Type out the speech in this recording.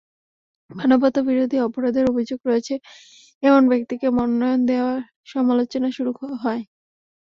মানবতাবিরোধীর অপরাধের অভিযোগ রয়েছে এমন ব্যক্তিকে মনোনয়ন দেওয়ায় সমালোচনা শুরু হয়।